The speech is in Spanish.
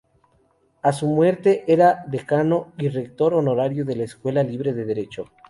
A su muerte, era decano y rector honorario de la Escuela Libre de Derecho.